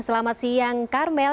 selamat siang karmel